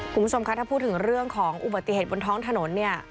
คุณผู้ชมคะถ้าพูดถึงเรื่องของอุบัติเหตุบนท้องถนนเนี่ย